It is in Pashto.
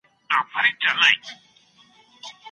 کوم احاديث د ميرمنو نفقه واجبوي؟